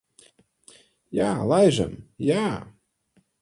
Jā, laižam. Jā.